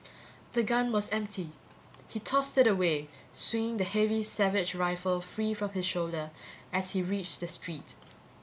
The gun was empty. He tossed it away, swinging the heavy Savage rifle free from his shoulder as he reached the street.